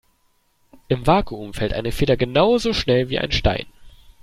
Im Vakuum fällt eine Feder genauso schnell wie ein Stein.